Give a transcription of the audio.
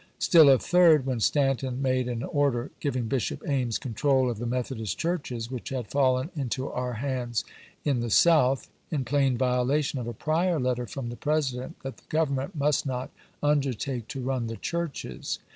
Still a third when Stanton made an order giving Bishop Ames control of the Methodist churches which had fallen into our hands in the South, in plain violation of a prior letter from the President that the Grovernment must not " under take to run the churches."